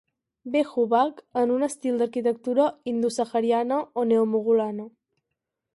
B. Hubback, en un estil d'arquitectura indosahariana o neomogolana.